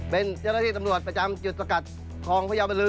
เป็นเจ้าหน้าที่ตำรวจประจำจุดสกัดคลองพญาบรือ